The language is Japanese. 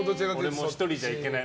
俺も１人じゃいけない。